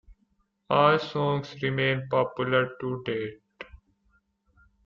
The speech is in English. All songs remain popular to date.